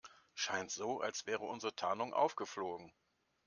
Scheint so, als wäre unsere Tarnung aufgeflogen.